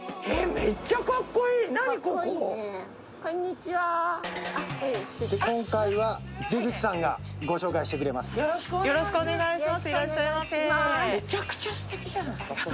むちゃくちゃすてきじゃないですかこれ。